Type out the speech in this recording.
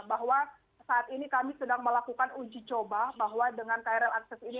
bahwa saat ini kami sedang melakukan uji coba bahwa dengan krl akses ini